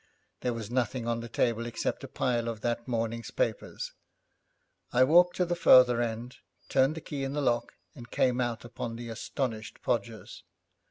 There was nothing on the table except a pile of that morning's papers. I walked to the farther end, turned the key in the lock, and came out upon the astonished Podgers.